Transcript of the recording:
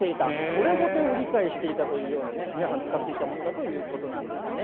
これごと売り買いしていたというようなね、皆さん、使っていたものだということなんですね。